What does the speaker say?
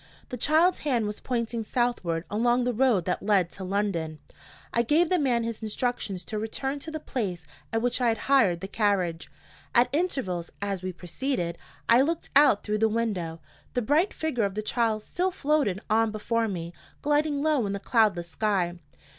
The child's hand was pointing southward, along the road that led to London. I gave the man his instructions to return to the place at which I had hired the carriage. At intervals, as we proceeded, I looked out through the window. The bright figure of the child still floated on before me gliding low in the cloudless sky.